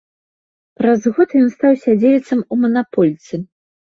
Праз год ён стаў сядзельцам у манапольцы.